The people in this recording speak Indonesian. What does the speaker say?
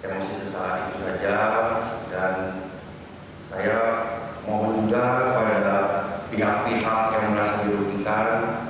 emosi sesaat itu saja dan saya mau menunda kepada pihak pihak yang merasa dirugikan